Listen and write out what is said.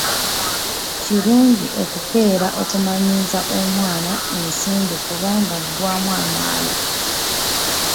Kirungi okukeera okumanyiiza omwana ensimbi kubanga aggwaamu amaalo.